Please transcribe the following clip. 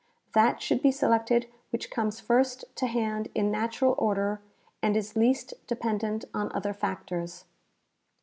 That should be selected which comes first to hand in natural order and is least dependent on other factors.